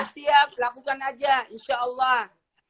siap lakukan aja insyaallah